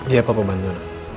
iya papa bantu